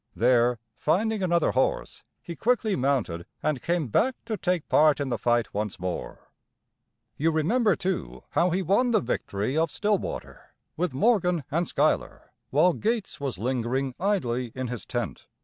There, finding another horse, he quickly mounted, and came back to take part in the fight once more. You remember, too, how he won the victory of Stillwater, with Morgan and Schuyler, while Gates was lingering idly in his tent.